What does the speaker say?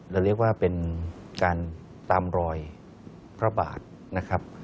เรียกว่าเป็นการตามรอยพระบาทนะครับ